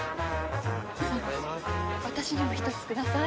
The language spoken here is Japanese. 私にも１つください。